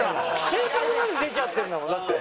性格まで出ちゃってるんだもんだって。